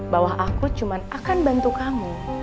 bahwa aku cuma akan bantu kamu